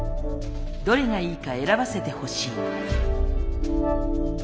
「どれがいいか選ばせてほしい」。